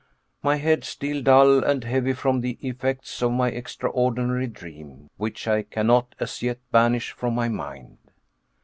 My head, still dull and heavy from the effects of my extraordinary dream, which I cannot as yet banish from my mind.